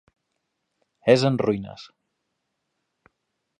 És en ruïnes.